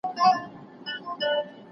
مور مې تازه ډوډۍ له تنوره راوویسته.